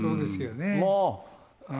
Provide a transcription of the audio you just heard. もう。